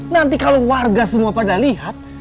nanti kalau warga semua pada lihat